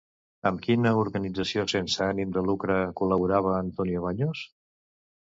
Amb quina organització sense ànim de lucre col·laborava Antonio Baños?